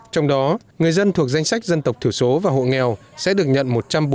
trong đó người dân thuộc danh sách dân tộc thiểu số và hộ nghèo sẽ được nhận